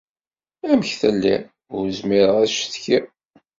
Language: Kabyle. Amek telliḍ? Ur zmireɣ ad cetkiɣ.